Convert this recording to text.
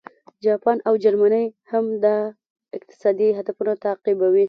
جاپان او جرمني هم دا اقتصادي هدف تعقیبوي